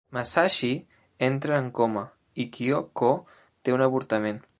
Masashi entra en coma i Kyoko té un avortament.